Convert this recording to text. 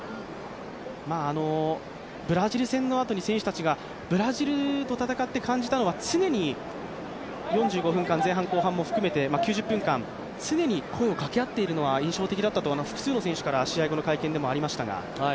ブラジル戦のあとに選手たちがブラジルと戦って、感じたのは常に４５分間、前半、後半も含めて９０分間常に声を掛け合ってるのは印象的だったと複数の選手から試合後の会見でもありましたが。